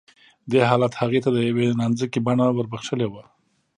دې حالت هغې ته د يوې نانځکې بڼه وربښلې وه